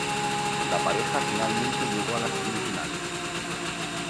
La pareja finalmente llegó a las semifinales.